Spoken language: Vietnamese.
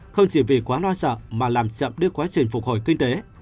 không chỉ vì quá lo sợ mà làm chậm đi quá trình phục hồi kinh tế